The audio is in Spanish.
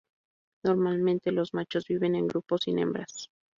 Normalmente los machos viven en grupos sin hembras.